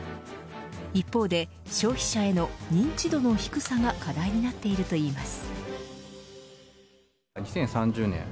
一方で消費者への認知度の低さが課題になっているといいます。